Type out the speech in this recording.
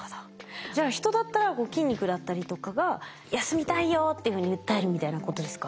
じゃあ人だったら筋肉だったりとかが「休みたいよ」っていうふうに訴えるみたいなことですか？